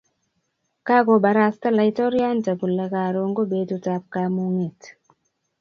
kakobarasta laitoriante kule karon ko betutab kamung'et